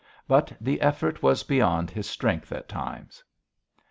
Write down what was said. But the effort was beyond his strength at times.